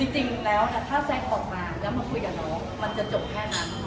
จริงแล้วถ้าแซ็กออกมาแล้วมาคุยกับน้องมันจะจบแค่นั้น